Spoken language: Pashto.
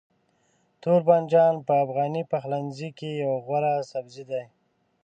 توربانجان په افغاني پخلنځي کې یو غوره سبزی دی.